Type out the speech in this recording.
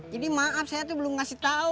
jadi maaf saya tuh belum ngasih tau